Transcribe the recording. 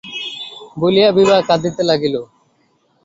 বলিয়া বিভা কাঁদিতে লাগিল।